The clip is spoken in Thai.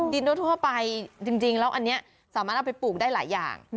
ทั่วไปจริงแล้วอันนี้สามารถเอาไปปลูกได้หลายอย่าง